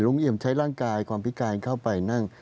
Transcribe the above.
เอี่ยมใช้ร่างกายความพิการเข้าไปนั่ง